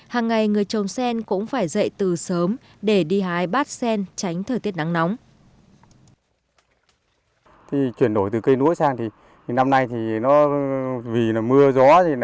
hàng ngày người trồng sen cũng phải dậy từ sớm để đi hái bát sen tránh thời tiết nắng nóng